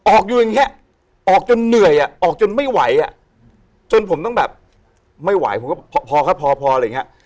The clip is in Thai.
ออกอยู่อย่างเงี้ยออกจนเหนื่อยอ่ะออกจนไม่ไหวอ่ะจนผมต้องแบบไม่ไหวผมก็พอครับพอพออะไรอย่างเงี้ย